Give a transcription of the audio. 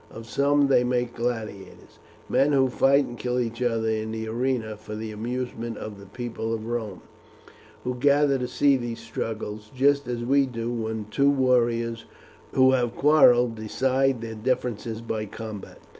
Of some they make gladiators men who fight and kill each other in the arena for the amusement of the people of Rome, who gather to see these struggles just as we do when two warriors who have quarrelled decide their differences by combat."